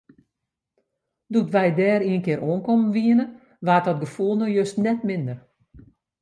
Doe't wy dêr ienkear oankommen wiene, waard dat gefoel no just net minder.